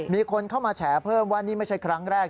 มีคนเข้ามาแฉเพิ่มว่านี่ไม่ใช่ครั้งแรก